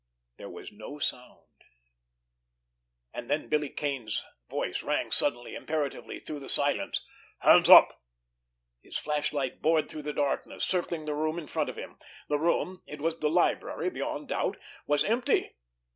There was no sound. And then Billy Kane's voice rang suddenly, imperatively through the silence: "Hands up!" His flashlight bored through the darkness, circling the room in front of him. The room—it was the library beyond doubt—was empty.